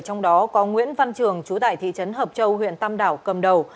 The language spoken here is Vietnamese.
trong đó có nguyễn văn trường chú tại thị trấn hợp châu huyện tam đảo cầm đầu